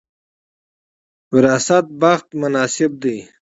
وراثت بخت مناسب دی.